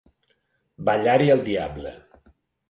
Ballar-hi el diable.